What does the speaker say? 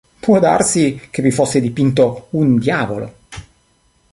Può darsi che vi fosse dipinto un diavolo.